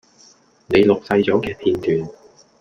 您錄製左既片段